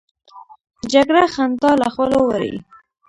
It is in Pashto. جګړه خندا له خولو وړي